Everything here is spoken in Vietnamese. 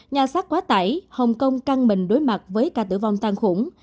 nhà sát quá tải hồng kông căng mình đối mặt với ca tử vong tan khủng